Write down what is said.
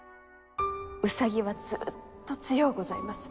兎はずっと強うございます。